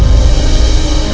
aku tuh kasihan sama mbak andin